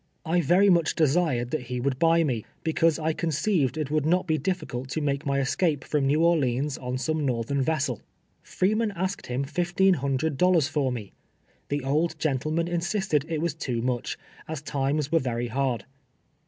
I very much desired that he would buy me, because I conceived it would not be difficult to make my escape from jS^ew Orlcans on some northern vessel. Freeman asked him fifteen hundred dollars for me. The old gentleman insisted it was too much, as times were very hard.